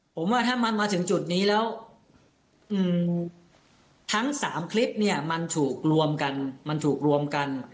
ผมว่าถ้ามันมาถึงจุดนี้แล้วทั้ง๓คลิปเนี่ยมันถูกรวมกันมันถูกรวมกัน